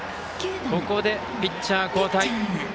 ここでピッチャー交代。